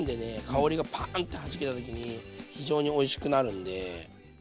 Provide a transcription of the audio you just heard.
香りがパーンってはじけた時に非常においしくなるんで。